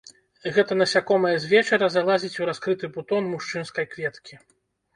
Гэта насякомае з вечара залазіць у раскрыты бутон мужчынскай кветкі.